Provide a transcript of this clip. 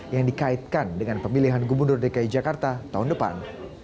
yang dikaitkan dengan pemilihan gubernur dki jakarta tahun depan